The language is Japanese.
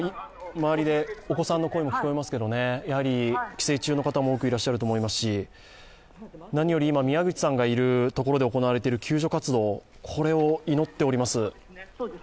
周りでお子さんの声も聞こえますけど帰省中の方も多くいらっしゃると思いますし何より、今、宮口さんがいるところで行われている救助活動を祈っております。